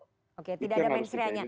oke tidak ada mensirianya